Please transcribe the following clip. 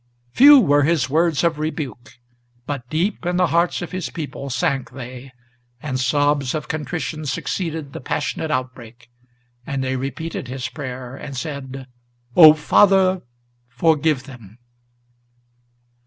'" Few were his words of rebuke, but deep in the hearts of his people Sank they, and sobs of contrition succeeded the passionate outbreak, And they repeated his prayer, and said, "O Father, forgive them!"